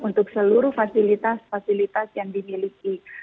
untuk seluruh fasilitas fasilitas yang dimiliki